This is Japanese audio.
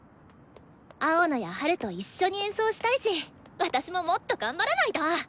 青野やハルと一緒に演奏したいし私ももっと頑張らないと！